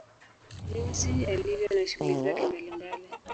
Jinsi yalivyo na shughuli zake mbali mbali